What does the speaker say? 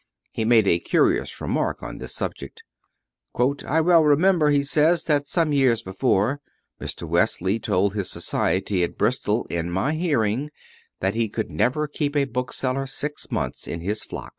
He makes a curious remark on this subject: "I well remember," he says, "that some years before, Mr. Wesley told his society at Bristol, in my hearing, that he could never keep a bookseller six months in his flock."